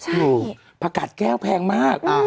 เหอเออค่ะผักกราต์แก้วแพงมาก